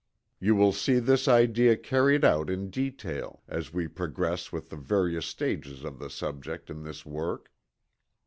You will see this idea carried out in detail, as we progress with the various stages of the subject, in this work.